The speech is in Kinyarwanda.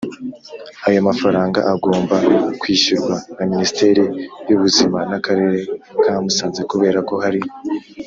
Ayo mafaranga agomba kwishyurwa na Minisiteri y Ubuzima n Akarere ka Musanze kubera ko hari